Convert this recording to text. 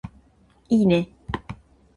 いーね